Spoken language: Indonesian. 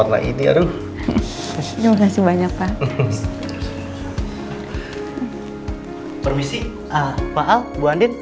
randy sama perempuan